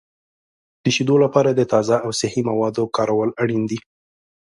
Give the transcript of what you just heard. د شیدو لپاره د تازه او صحي موادو کارول اړین دي.